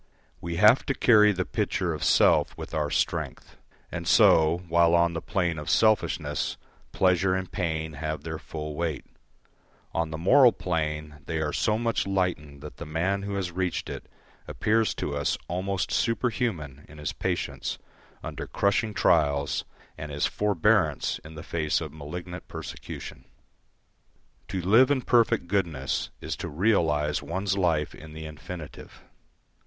We have to carry the pitcher of self with our strength; and so, while on the plane of selfishness pleasure and pain have their full weight, on the moral plane they are so much lightened that the man who has reached it appears to us almost superhuman in his patience under crushing trails, and his forbearance in the face of malignant persecution. To live in perfect goodness is to realise one's life in the infinitive.